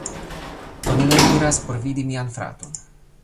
Do, ni nun iras por vidi mian fraton